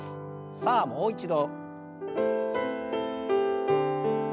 さあもう一度。